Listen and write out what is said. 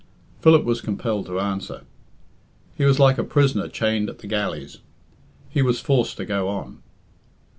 Philip was compelled to answer. He was like a prisoner chained at the galleys he was forced to go on.